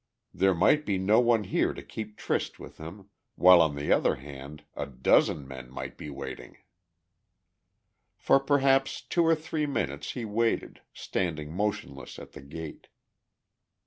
There might be no one here to keep tryst with him, while on the other hand a dozen men might be waiting. For perhaps two or three minutes he waited, standing motionless at the gate.